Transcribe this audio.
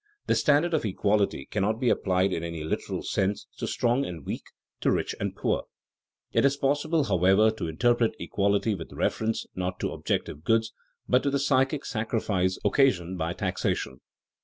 The standard of equality cannot be applied in any literal sense to strong and weak, to rich and poor. It is possible, however, to interpret equality with reference not to objective goods, but to the psychic sacrifice occasioned by taxation.